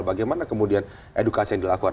bagaimana kemudian edukasi yang dilakukan